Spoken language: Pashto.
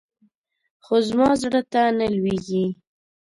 خو زما زړه ته نه لوېږي.